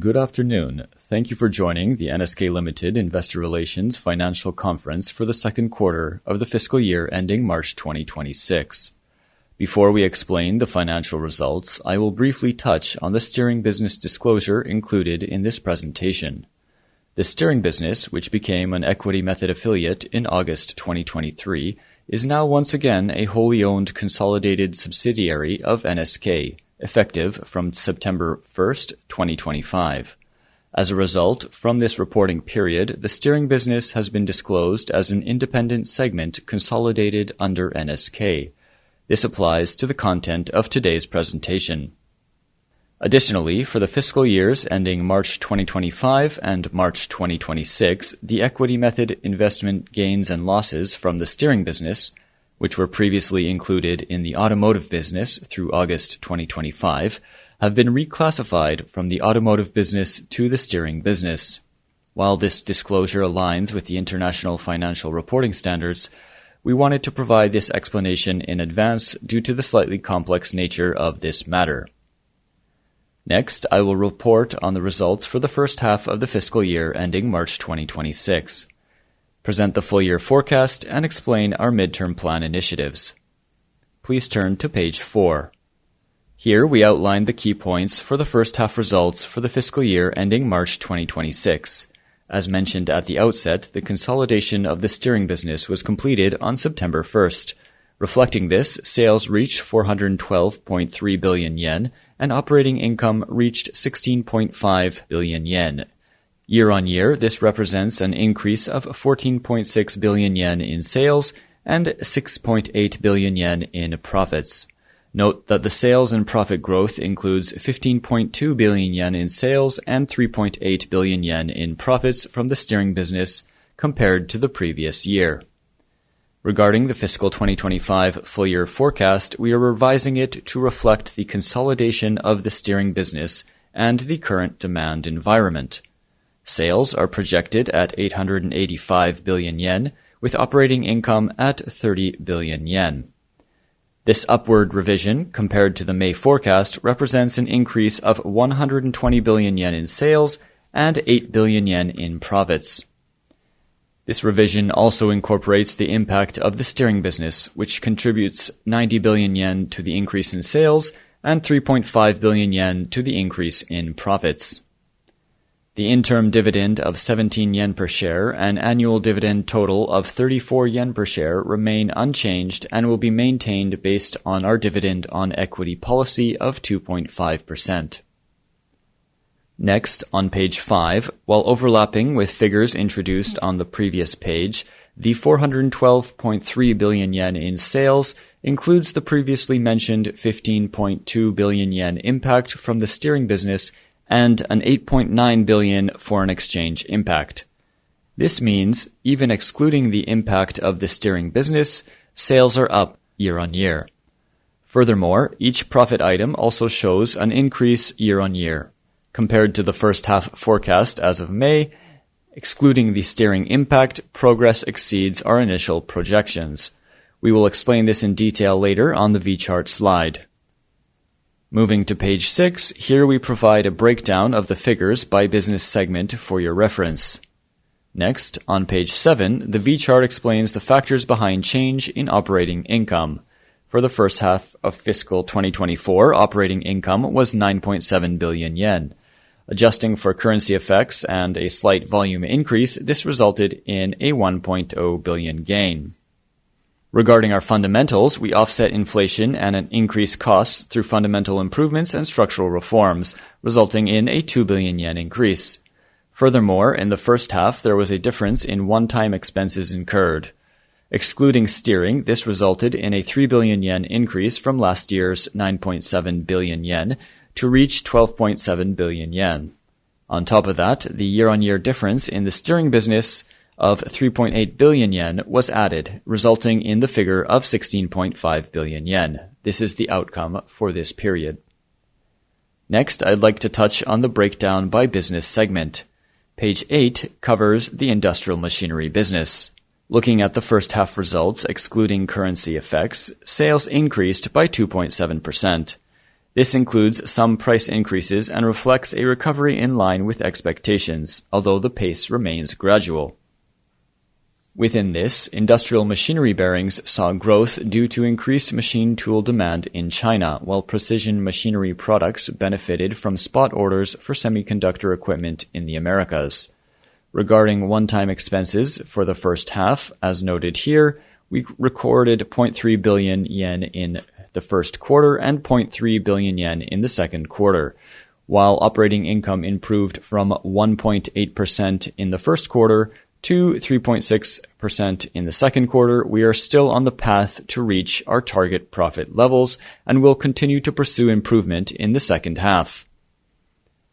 Good afternoon. Thank you for joining the NSK Limited Investor Relations financial conference for the second quarter of the fiscal year ending March 2026. Before we explain the financial results, I will briefly touch on the steering business disclosure included in this presentation. The steering business, which became an equity method affiliate in August 2023, is now once again a wholly owned consolidated subsidiary of NSK, effective from September 1st, 2025. As a result, from this reporting period, the steering business has been disclosed as an independent segment consolidated under NSK. This applies to the content of today's presentation. Additionally, for the fiscal years ending March 2025 and March 2026, the equity method investment gains and losses from the steering business, which were previously included in the automotive business through August 2025, have been reclassified from the automotive business to the steering business. While this disclosure aligns with the International Financial Reporting Standards, we wanted to provide this explanation in advance due to the slightly complex nature of this matter. Next, I will report on the results for the first half of the fiscal year ending March 2026, present the full-year forecast, and explain our midterm plan initiatives. Please turn to page four. Here we outline the key points for the first half results for the fiscal year ending March 2026. As mentioned at the outset, the consolidation of the steering business was completed on September 1st. Reflecting this, sales reached 412.3 billion yen, and operating income reached 16.5 billion yen. Year-on-year, this represents an increase of 14.6 billion yen in sales and 6.8 billion yen in profits. Note that the sales and profit growth includes 15.2 billion yen in sales and 3.8 billion yen in profits from the steering business compared to the previous year. Regarding the fiscal 2025 full-year forecast, we are revising it to reflect the consolidation of the steering business and the current demand environment. Sales are projected at 885 billion yen, with operating income at 30 billion yen. This upward revision, compared to the May forecast, represents an increase of 120 billion yen in sales and 8 billion yen in profits. This revision also incorporates the impact of the steering business, which contributes 90 billion yen to the increase in sales and 3.5 billion yen to the increase in profits. The interim dividend of 17 yen per share and annual dividend total of 34 yen per share remain unchanged and will be maintained based on our dividend on equity policy of 2.5%. Next, on page five, while overlapping with figures introduced on the previous page, the 412.3 billion yen in sales includes the previously mentioned 15.2 billion yen impact from the steering business and an 8.9 billion foreign exchange impact. This means, even excluding the impact of the steering business, sales are up year-on-year. Furthermore, each profit item also shows an increase year-on-year. Compared to the first half forecast as of May, excluding the steering impact, progress exceeds our initial projections. We will explain this in detail later on the V chart slide. Moving to page six, here we provide a breakdown of the figures by business segment for your reference. Next, on page seven, the V chart explains the factors behind change in operating income. For the first half of fiscal 2024, operating income was 9.7 billion yen. Adjusting for currency effects and a slight volume increase, this resulted in a 1.0 billion gain. Regarding our fundamentals, we offset inflation and an increased cost through fundamental improvements and structural reforms, resulting in a 2 billion yen increase. Furthermore, in the first half, there was a difference in one-time expenses incurred. Excluding steering, this resulted in a 3 billion yen increase from last year's 9.7 billion yen to reach 12.7 billion yen. On top of that, the year-on-year difference in the steering business of 3.8 billion yen was added, resulting in the figure of 16.5 billion yen. This is the outcome for this period. Next, I'd like to touch on the breakdown by business segment. Page eight covers the industrial machinery business. Looking at the first half results, excluding currency effects, sales increased by 2.7%. This includes some price increases and reflects a recovery in line with expectations, although the pace remains gradual. Within this, industrial machinery bearings saw growth due to increased machine tool demand in China, while precision machinery products benefited from spot orders for semiconductor equipment in the Americas. Regarding one-time expenses for the first half, as noted here, we recorded 0.3 billion yen in the first quarter and 0.3 billion yen in the second quarter. While operating income improved from 1.8% in the first quarter to 3.6% in the second quarter, we are still on the path to reach our target profit levels and will continue to pursue improvement in the second half.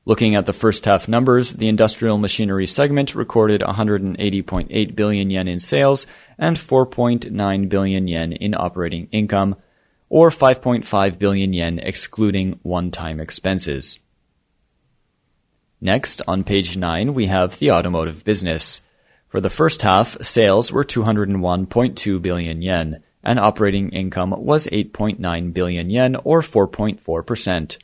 Looking at the first half numbers, the industrial machinery segment recorded 180.8 billion yen in sales and 4.9 billion yen in operating income, or 5.5 billion yen excluding one-time expenses. Next, on page nine, we have the automotive business. For the first half, sales were 201.2 billion yen, and operating income was 8.9 billion yen, or 4.4%.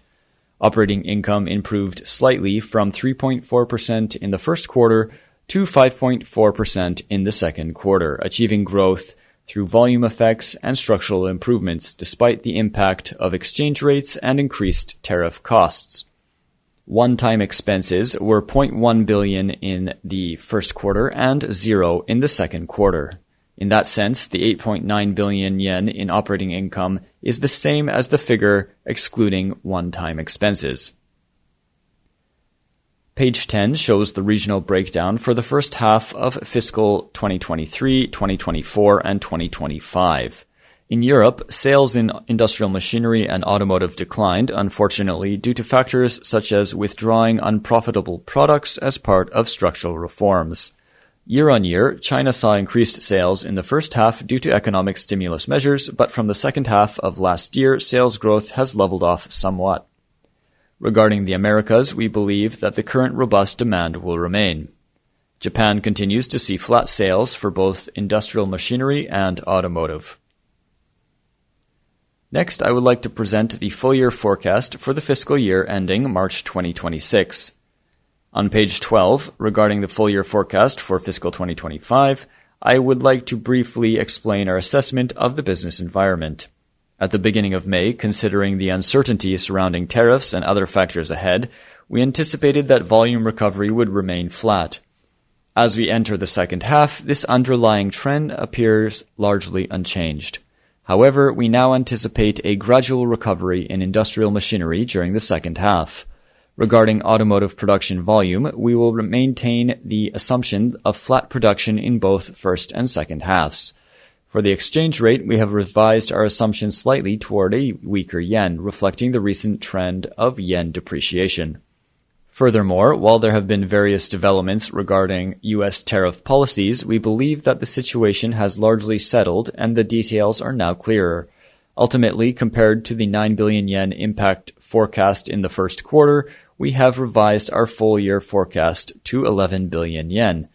Operating income improved slightly from 3.4% in the first quarter to 5.4% in the second quarter, achieving growth through volume effects and structural improvements despite the impact of exchange rates and increased tariff costs. One-time expenses were 0.1 billion in the first quarter and zero in the second quarter. In that sense, the 8.9 billion yen in operating income is the same as the figure excluding one-time expenses. Page 10 shows the regional breakdown for the first half of fiscal 2023, 2024, and 2025. In Europe, sales in industrial machinery and automotive declined, unfortunately, due to factors such as withdrawing unprofitable products as part of structural reforms. year-on-year, China saw increased sales in the first half due to economic stimulus measures, but from the second half of last year, sales growth has leveled off somewhat. Regarding the Americas, we believe that the current robust demand will remain. Japan continues to see flat sales for both industrial machinery and automotive. Next, I would like to present the full-year forecast for the fiscal year ending March 2026. On page 12, regarding the full-year forecast for fiscal 2025, I would like to briefly explain our assessment of the business environment. At the beginning of May, considering the uncertainty surrounding tariffs and other factors ahead, we anticipated that volume recovery would remain flat. As we enter the second half, this underlying trend appears largely unchanged. However, we now anticipate a gradual recovery in industrial machinery during the second half. Regarding automotive production volume, we will maintain the assumption of flat production in both first and second halves. For the exchange rate, we have revised our assumption slightly toward a weaker Yen, reflecting the recent trend of Yen depreciation. Furthermore, while there have been various developments regarding U.S. tariff policies, we believe that the situation has largely settled and the details are now clearer. Ultimately, compared to the 9 billion yen impact forecast in the first quarter, we have revised our full-year forecast to 11 billion yen,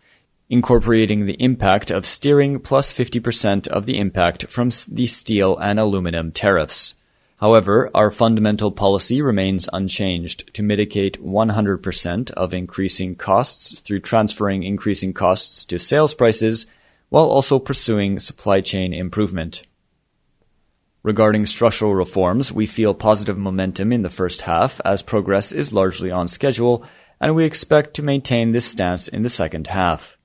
incorporating the impact of steering +50% of the impact from the steel and aluminum tariffs. However, our fundamental policy remains unchanged to mitigate 100% of increasing costs through transferring increasing costs to sales prices, while also pursuing supply chain improvement. Regarding structural reforms, we feel positive momentum in the first half as progress is largely on schedule, and we expect to maintain this stance in the second half.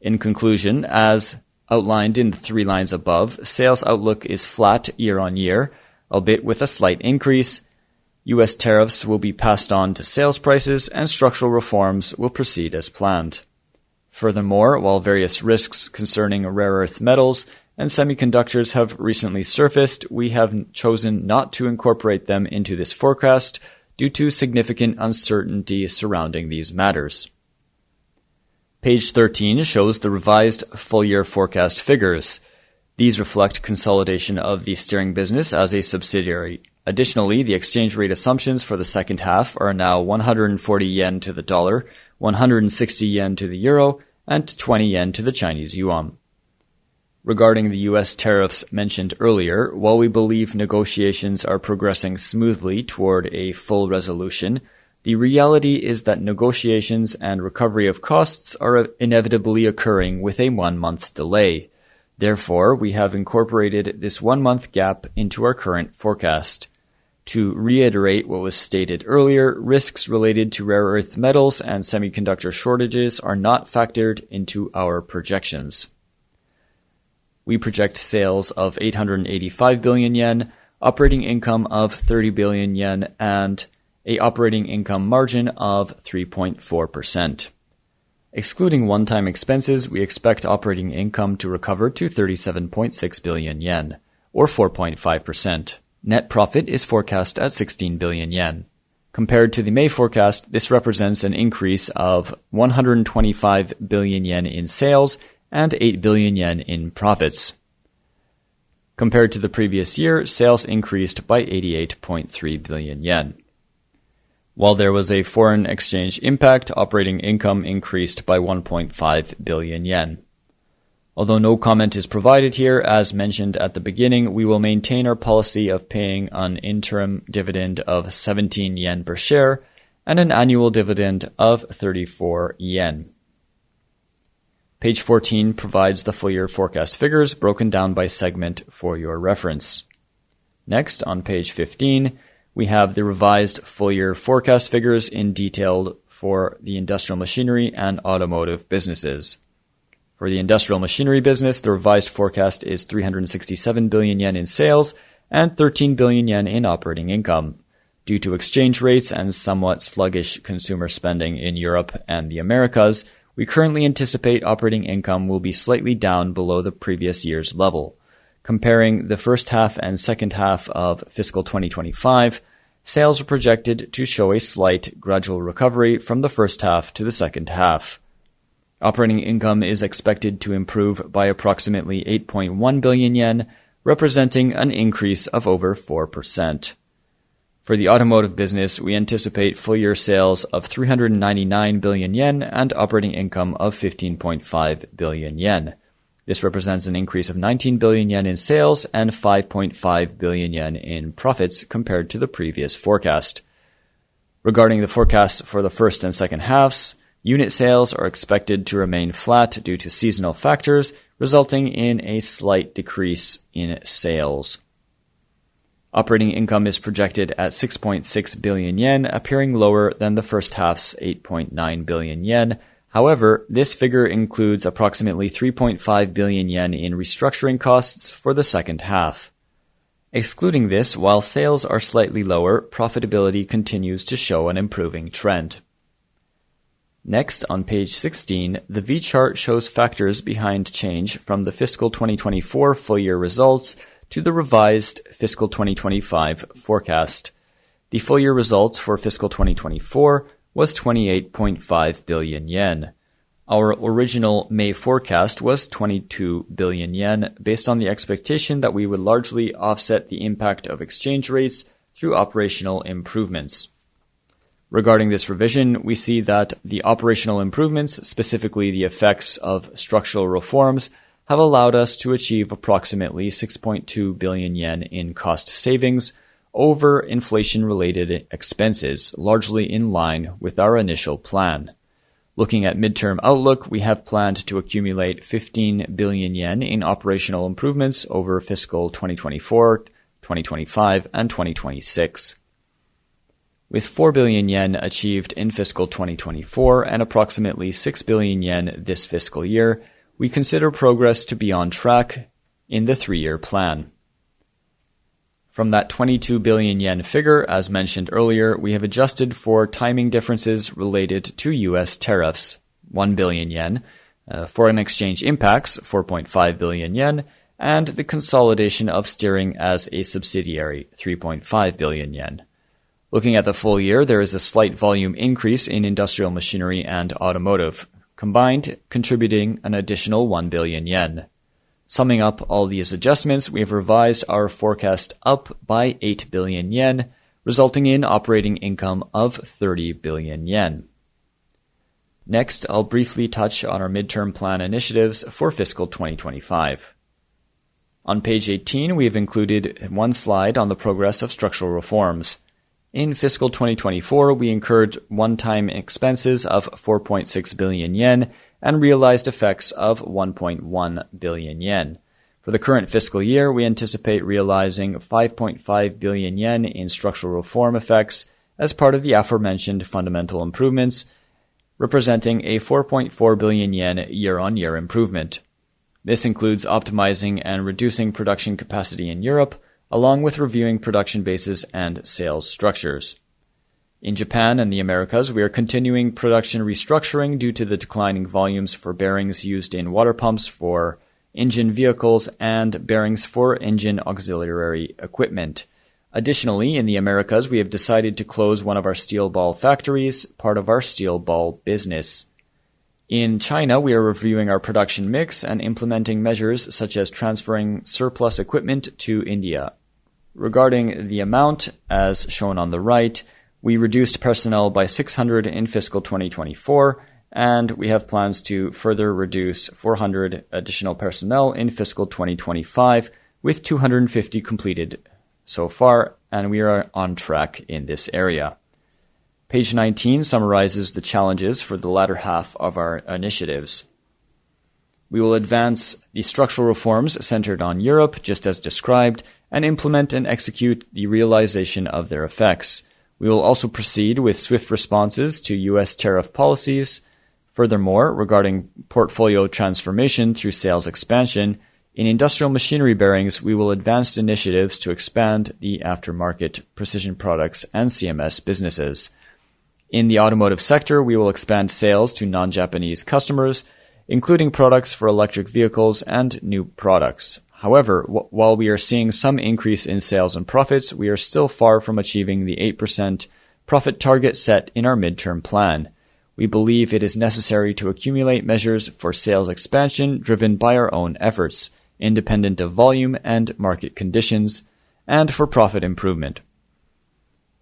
In conclusion, as outlined in the three lines above, sales outlook is flat year-on-year, albeit with a slight increase. U.S. tariffs will be passed on to sales prices, and structural reforms will proceed as planned. Furthermore, while various risks concerning rare earth metals and semiconductors have recently surfaced, we have chosen not to incorporate them into this forecast due to significant uncertainty surrounding these matters. Page 13 shows the revised full-year forecast figures. These reflect consolidation of the steering business as a subsidiary. Additionally, the exchange rate assumptions for the second half are now 140 yen to the dollar, 160 yen to the Euro, and 20 yen to the Chinese Yuan. Regarding the U.S. Tariffs mentioned earlier, while we believe negotiations are progressing smoothly toward a full resolution, the reality is that negotiations and recovery of costs are inevitably occurring with a one-month delay. Therefore, we have incorporated this one-month gap into our current forecast. To reiterate what was stated earlier, risks related to rare earth metals and semiconductor shortages are not factored into our projections. We project sales of 885 billion yen, operating income of 30 billion yen, and an operating income margin of 3.4%. Excluding one-time expenses, we expect operating income to recover to 37.6 billion yen, or 4.5%. Net profit is forecast at 16 billion yen. Compared to the May forecast, this represents an increase of 125 billion yen in sales and 8 billion yen in profits. Compared to the previous year, sales increased by 88.3 billion yen. While there was a foreign exchange impact, operating income increased by 1.5 billion yen. Although no comment is provided here, as mentioned at the beginning, we will maintain our policy of paying an interim dividend of 17 yen per share and an annual dividend of 34 yen. Page 14 provides the full-year forecast figures broken down by segment for your reference. Next, on page 15, we have the revised full-year forecast figures in detail for the industrial machinery and automotive businesses. For the industrial machinery business, the revised forecast is 367 billion yen in sales and 13 billion yen in operating income. Due to exchange rates and somewhat sluggish consumer spending in Europe and the Americas, we currently anticipate operating income will be slightly down below the previous year's level. Comparing the first half and second half of fiscal 2025, sales were projected to show a slight gradual recovery from the first half to the second half. Operating income is expected to improve by approximately 8.1 billion yen, representing an increase of over 4%. For the automotive business, we anticipate full-year sales of 399 billion yen and operating income of 15.5 billion yen. This represents an increase of 19 billion yen in sales and 5.5 billion yen in profits compared to the previous forecast. Regarding the forecast for the first and second halves, unit sales are expected to remain flat due to seasonal factors, resulting in a slight decrease in sales. Operating income is projected at 6.6 billion yen, appearing lower than the first half's 8.9 billion yen. However, this figure includes approximately 3.5 billion yen in restructuring costs for the second half. Excluding this, while sales are slightly lower, profitability continues to show an improving trend. Next, on page 16, the V chart shows factors behind change from the fiscal 2024 full-year results to the revised fiscal 2025 forecast. The full-year results for fiscal 2024 was 28.5 billion yen. Our original May forecast was 22 billion yen, based on the expectation that we would largely offset the impact of exchange rates through operational improvements. Regarding this revision, we see that the operational improvements, specifically the effects of structural reforms, have allowed us to achieve approximately 6.2 billion yen in cost savings over inflation-related expenses, largely in line with our initial plan. Looking at midterm outlook, we have planned to accumulate 15 billion yen in operational improvements over fiscal 2024, 2025, and 2026. With 4 billion yen achieved in fiscal 2024 and approximately 6 billion yen this fiscal year, we consider progress to be on track in the three-year plan. From that 22 billion yen figure, as mentioned earlier, we have adjusted for timing differences related to U.S. tariffs: 1 billion yen foreign exchange impacts, 4.5 billion yen, and the consolidation of steering as a subsidiary, 3.5 billion yen. Looking at the full year, there is a slight volume increase in industrial machinery and automotive combined, contributing an additional 1 billion yen. Summing up all these adjustments, we have revised our forecast up by 8 billion yen, resulting in operating income of 30 billion yen. Next, I'll briefly touch on our midterm plan initiatives for fiscal 2025. On page 18, we have included one slide on the progress of structural reforms. In fiscal 2024, we incurred one-time expenses of 4.6 billion yen and realized effects of 1.1 billion yen. For the current fiscal year, we anticipate realizing 5.5 billion yen in structural reform effects as part of the aforementioned fundamental improvements, representing a 4.4 billion yen year-on-year improvement. This includes optimizing and reducing production capacity in Europe, along with reviewing production bases and sales structures. In Japan and the Americas, we are continuing production restructuring due to the declining volumes for bearings used in water pumps for engine vehicles and bearings for engine auxiliary equipment. Additionally, in the Americas, we have decided to close one of our steel ball factories, part of our steel ball business. In China, we are reviewing our production mix and implementing measures such as transferring surplus equipment to India. Regarding the amount, as shown on the right, we reduced personnel by 600 in fiscal 2024, and we have plans to further reduce 400 additional personnel in fiscal 2025, with 250 completed so far, and we are on track in this area. Page 19 summarizes the challenges for the latter half of our initiatives. We will advance the structural reforms centered on Europe, just as described, and implement and execute the realization of their effects. We will also proceed with swift responses to U.S. tariff policies. Furthermore, regarding portfolio transformation through sales expansion, in industrial machinery bearings, we will advance initiatives to expand the aftermarket precision products and CMS businesses. In the automotive sector, we will expand sales to non-Japanese customers, including products for electric vehicles and new products. However, while we are seeing some increase in sales and profits, we are still far from achieving the 8% profit target set in our midterm plan. We believe it is necessary to accumulate measures for sales expansion driven by our own efforts, independent of volume and market conditions, and for profit improvement.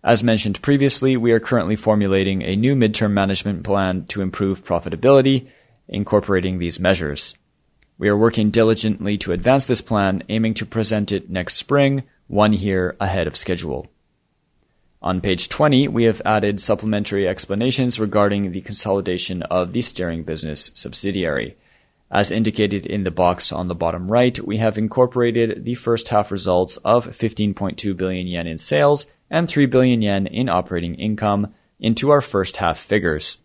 As mentioned previously, we are currently formulating a new midterm management plan to improve profitability, incorporating these measures. We are working diligently to advance this plan, aiming to present it next spring, one year ahead of schedule. On page 20, we have added supplementary explanations regarding the consolidation of the steering business subsidiary. As indicated in the box on the bottom right, we have incorporated the first half results of 15.2 billion yen in sales and 3 billion yen in operating income into our first half figures.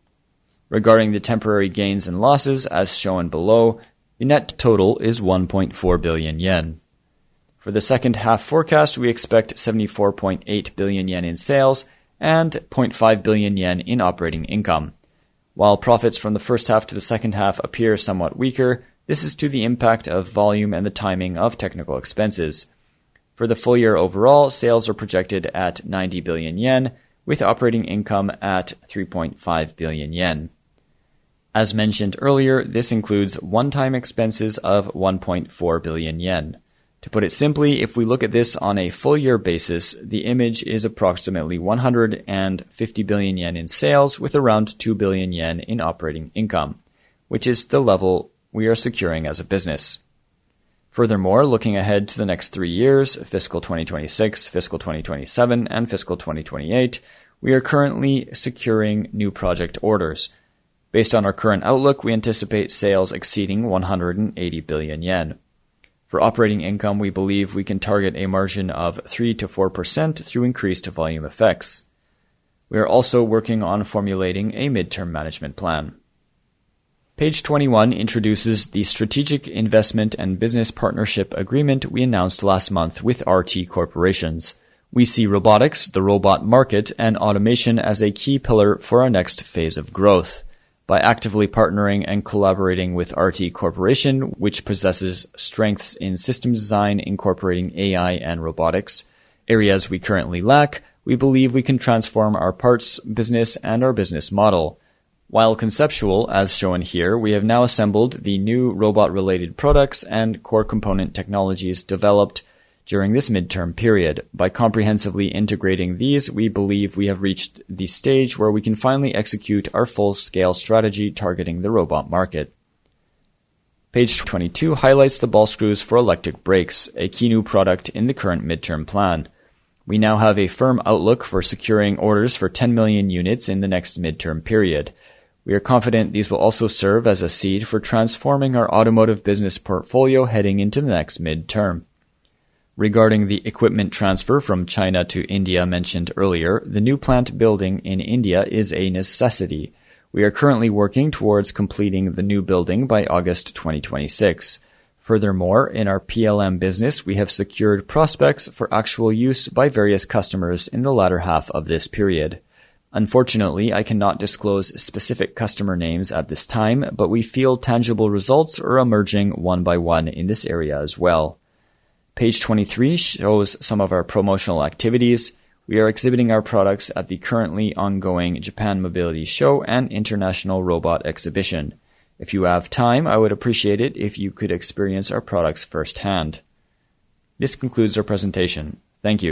Regarding the temporary gains and losses, as shown below, the net total is 1.4 billion yen. For the second half forecast, we expect 74.8 billion yen in sales and 0.5 billion yen in operating income. While profits from the first half to the second half appear somewhat weaker, this is due to the impact of volume and the timing of technical expenses. For the full year overall, sales are projected at 90 billion yen, with operating income at 3.5 billion yen. As mentioned earlier, this includes one-time expenses of 1.4 billion yen. To put it simply, if we look at this on a full-year basis, the image is approximately 150 billion yen in sales, with around 2 billion yen in operating income, which is the level we are securing as a business. Furthermore, looking ahead to the next three years, fiscal 2026, fiscal 2027, and fiscal 2028, we are currently securing new project orders. Based on our current outlook, we anticipate sales exceeding 180 billion yen. For operating income, we believe we can target a margin of 3%-4% through increased volume effects. We are also working on formulating a midterm management plan. Page 21 introduces the strategic investment and business partnership agreement we announced last month with RT Corporation. We see robotics, the robot market, and automation as a key pillar for our next phase of growth. By actively partnering and collaborating with RT Corporation, which possesses strengths in system design incorporating AI and robotics, areas we currently lack, we believe we can transform our parts business and our business model. While conceptual, as shown here, we have now assembled the new robot-related products and core component technologies developed during this midterm period. By comprehensively integrating these, we believe we have reached the stage where we can finally execute our full-scale strategy targeting the robot market. Page 22 highlights the ball screws for electric brakes, a key new product in the current midterm plan. We now have a firm outlook for securing orders for 10 million units in the next midterm period. We are confident these will also serve as a seed for transforming our automotive business portfolio heading into the next midterm. Regarding the equipment transfer from China to India mentioned earlier, the new plant building in India is a necessity. We are currently working towards completing the new building by August 2026. Furthermore, in our PLM business, we have secured prospects for actual use by various customers in the latter half of this period. Unfortunately, I cannot disclose specific customer names at this time, but we feel tangible results are emerging one by one in this area as well. Page 23 shows some of our promotional activities. We are exhibiting our products at the currently ongoing Japan Mobility Show and International Robot Exhibition. If you have time, I would appreciate it if you could experience our products firsthand. This concludes our presentation. Thank you.